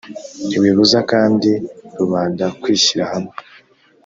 ntibibuza kandi rubanda kwishyira hamwe